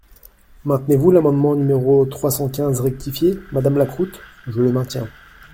Maintenez-vous l’amendement numéro trois cent quinze rectifié, madame Lacroute ? Je le maintiens.